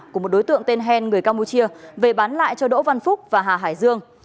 của một đối tượng tên hen người campuchia về bán lại cho đỗ văn phúc và hà hải dương